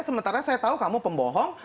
sementara saya tahu kamu pembohong